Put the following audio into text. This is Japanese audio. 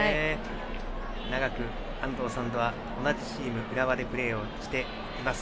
長く安藤さんとは同じチームの浦和でプレーをしています。